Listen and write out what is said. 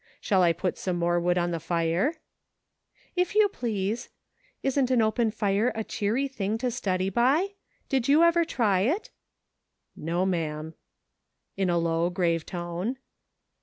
Shall I put some more wood on the fire ?"" If you please ; isn't an open fire a cheery thing to study by ? Did you ever try it ?"" No, ma'am," in a low, grave tone.